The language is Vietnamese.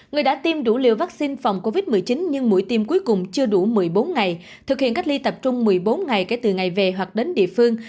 người đã tiêm đủ liều vaccine phòng covid một mươi chín nhưng mũi tiêm cuối cùng chưa đủ một mươi bốn ngày thực hiện cách ly tập trung một mươi bốn ngày kể từ ngày về hoặc đến địa phương